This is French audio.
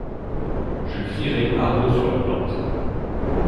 Je crierai haro sur la plante.